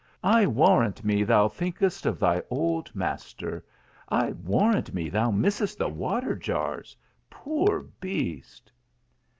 I warrant me thou think est of thy old master ! I warrant me thou missest the water jars : poor beast